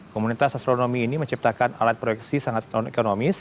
komunitas astronomi ini menciptakan alat proyeksi sangat non ekonomis